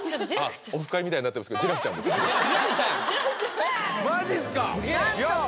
オフ会みたいになってますけどマジっすか⁉やった！